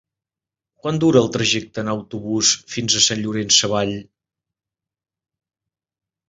Quant dura el trajecte en autobús fins a Sant Llorenç Savall?